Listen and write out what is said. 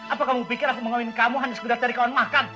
apa kamu pikir aku mengawin kamu hanya sekedar cari kawan makan